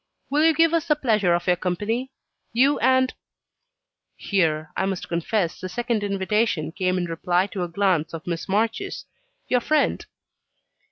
Will you give us the pleasure of your company? You and" here, I must confess, the second invitation came in reply to a glance of Miss March's "your friend."